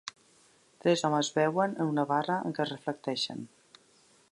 Tres homes beuen en una barra en què es reflecteixen.